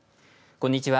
こんにちは。